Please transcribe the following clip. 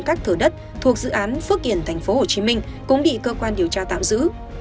các thửa đất thuộc dự án phước kiển tp hcm cũng bị cơ quan điều tra tạm giữ